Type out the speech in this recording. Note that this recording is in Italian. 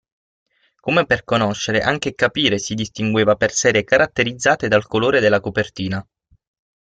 Come per "Conoscere" anche "Capire" si distingueva per serie caratterizzate dal colore della copertina.